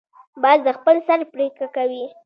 باز د خپل سر پریکړه کوي